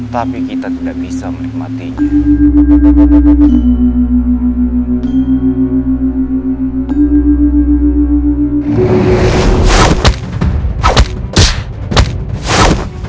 tapi kita tidak bisa menikmatinya